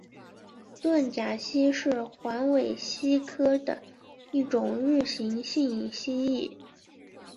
盾甲蜥是环尾蜥科的一种日行性蜥蜴。